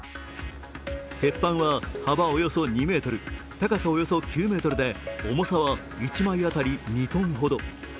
鉄板は幅およそ２ｍ、高さおよそ９ｍで重さは１枚当たり２ｔほど。